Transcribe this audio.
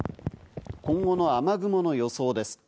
今後の雨雲の予想です。